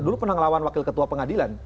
dulu pernah ngelawan wakil ketua pengadilan